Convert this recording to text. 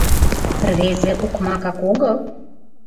Рвезе окмакак огыл?